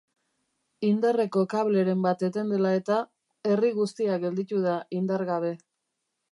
Indarreko kableren bat eten dela eta, herri guztia gelditu da indar gabe.